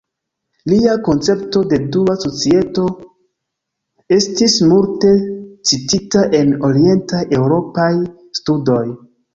Lia koncepto de dua societo estis multe citita en Orientaj Eŭropaj Studoj.